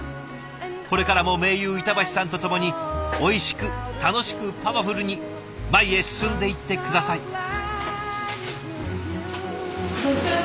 これからも盟友板橋さんと共においしく楽しくパワフルに前へ進んでいって下さい。